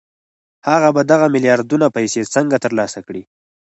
هغه به دغه میلیاردونه پیسې څنګه ترلاسه کړي